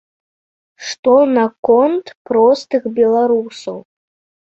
Што наконт простых беларусаў?